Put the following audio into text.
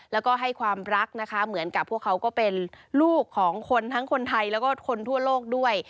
แล้วก็ให้ความรักนะคะเหมือนกับพวกเขาก็เป็นลูกของคนทั้งคนไทยแล้วก็คนทั่วโลกด้วย